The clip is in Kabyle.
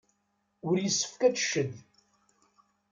Ur yessefk ad tecced.